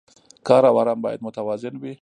کار او ارام باید متوازن وي.